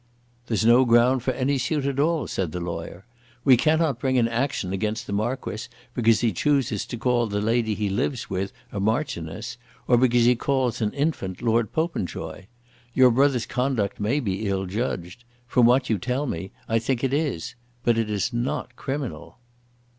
"There is no ground for any suit at all," said the lawyer. "We cannot bring an action against the Marquis because he chooses to call the lady he lives with a Marchioness, or because he calls an infant Lord Popenjoy. Your brother's conduct may be ill judged. From what you tell me, I think it is. But it is not criminal."